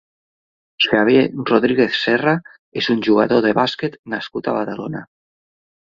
Xavier Rodríguez Serra és un jugador de bàsquet nascut a Badalona.